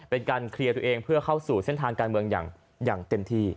เป็นการเคลียร์ตัวเองเพื่อเข้าสู่เส้นทางการเมืองอย่างเต็มที่